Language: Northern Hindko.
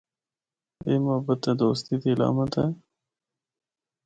اے محبت تے دوستی دی علامت ہے۔